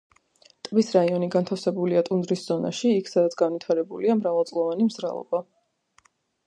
ტბის რაიონი განთავსებულია ტუნდრის ზონაში, იქ სადაც განვითარებულია მრავალწლოვანი მზრალობა.